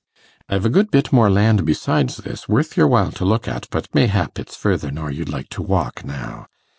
'I've a good bit more land besides this, worth your while to look at, but mayhap it's further nor you'd like to walk now.